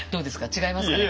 違いますかねこれ。